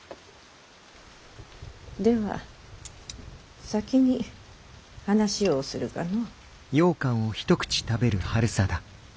では先に話をするかの。